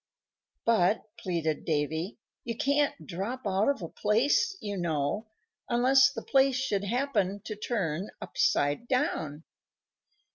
"But," pleaded Davy, "you can't drop out of a place, you know, unless the place should happen to turn upside down."